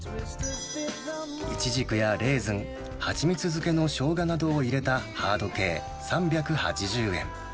イチジクやレーズン、ハチミツ漬けのショウガなどをいれたハード系３８０円。